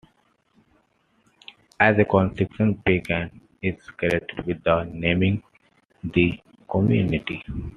As a consequence, Pagan is credited with naming the community.